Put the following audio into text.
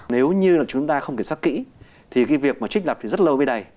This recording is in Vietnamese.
nếu như là chúng ta không kiểm soát kỹ thì cái việc mà trích lập thì rất lâu với đầy